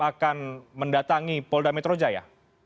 akan mendatangi polda metro jaya